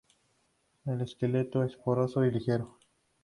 El esqueleto es poroso y ligero.